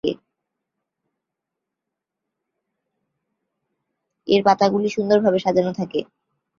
এর পাতাগুলি সুন্দর ভাবে সাজানো থাকে।